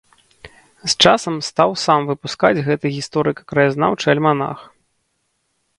З часам стаў сам выпускаць гэты гісторыка-краязнаўчы альманах.